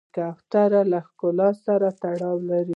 کوتره له ښکلا سره تړاو لري.